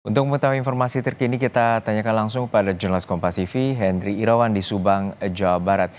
untuk mengetahui informasi terkini kita tanyakan langsung pada jurnalis kompasifi henry irawan di subang jawa barat